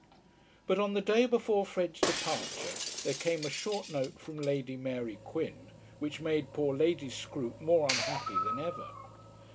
But on the day before Fred's departure there came a short note from Lady Mary Quin which made poor Lady Scroope more unhappy than ever.